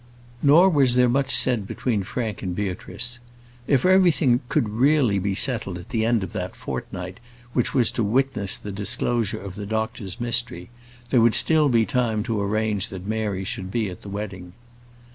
Nor was there much said between Frank and Beatrice. If everything could really be settled at the end of that fortnight which was to witness the disclosure of the doctor's mystery, there would still be time to arrange that Mary should be at the wedding.